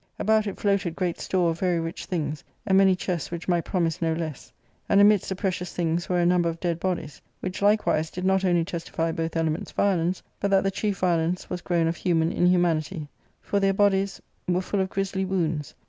About it floated great store of very rich things, and many chests which might promise no less. And amidst the precious things were a number of dead bodies, which likewise did not only testify both elements' violence, but that the chief violence was grown otf human inhumanity/ for their bodies were full of grislvwounds.